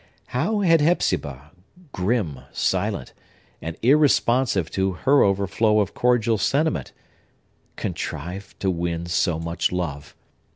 How had Hepzibah—grim, silent, and irresponsive to her overflow of cordial sentiment—contrived to win so much love?